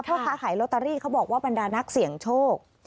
เพราะค้าขายโลตารีเขาบอกว่าบรรดานักเสี่ยงโชค